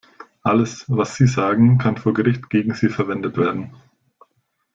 Alles, was Sie sagen, kann vor Gericht gegen Sie verwendet werden.